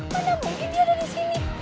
pada mungkin dia ada di sini